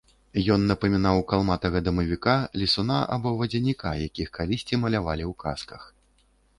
Ён напамінаў калматага дамавіка, лесуна або вадзяніка, якіх калісьці малявалі ў казках.